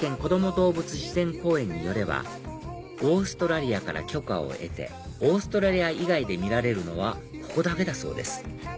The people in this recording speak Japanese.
動物自然公園によればオーストラリアから許可を得てオーストラリア以外で見られるのはここだけだそうです